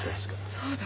そうだ。